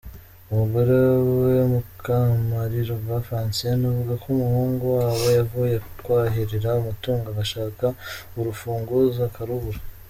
Umugore we Mukamparirwa Francine avuga ko umuhungu wabo yavuye kwahirira amatungo agashaka urufunguzo akarubura.